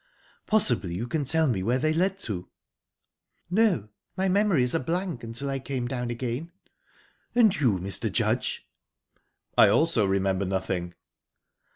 Possibly you can tell me where they led to?" "No; my memory is a blank, till I came down again." "And you, Mr. Judge?" "I also remember nothing."